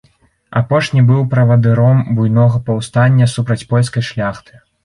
Апошні быў правадыром буйнога паўстання супраць польскай шляхты.